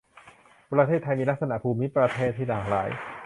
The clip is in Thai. ประเทศไทยมีลักษณะภูมิประเทศที่หลากหลาย